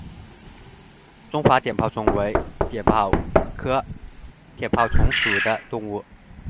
中华碘泡虫为碘泡科碘泡虫属的动物。